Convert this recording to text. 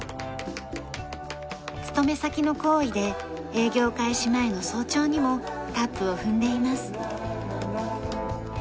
勤め先の厚意で営業開始前の早朝にもタップを踏んでいます。